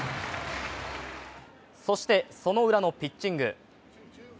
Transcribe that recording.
そして、そのウラのピッチング。